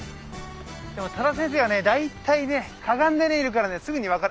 でも多田先生はね大体ねかがんでいるからすぐに分かる。